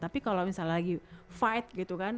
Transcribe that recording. tapi kalau misalnya lagi fight gitu kan